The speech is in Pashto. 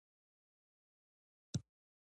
لامل يې داسې موخه يا اصول لرل وي.